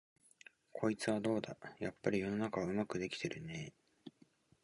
こいつはどうだ、やっぱり世の中はうまくできてるねえ、